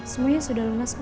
semuanya sudah lunas kok pak